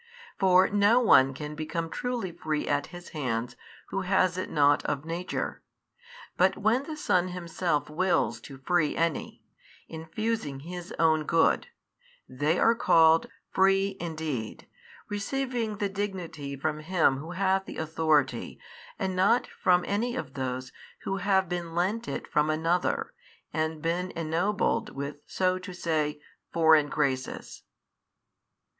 For no one can become truly free at his hands who has it not of nature. But when the Son Himself wills to free any, infusing His own Good, they are called free indeed, receiving the Dignity from Him who hath the Authority and not from any of those who have been lent it from Another and been ennobled with so to say foreign graces.